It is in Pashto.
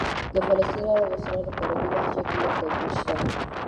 د فلسطنیانو او مصریانو په عربي لهجه کې لږ توپیر شته.